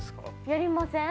やりません？